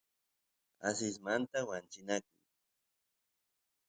asismanta wanchinaku